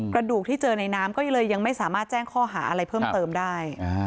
กระดูกที่เจอในน้ำก็เลยยังไม่สามารถแจ้งข้อหาอะไรเพิ่มเติมได้